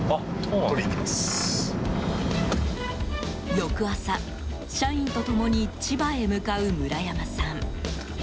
翌朝、社員と共に千葉へ向かう村山さん。